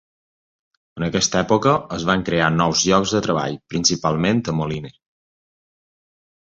En aquesta època es van crear nous llocs de treball, principalment a Moline.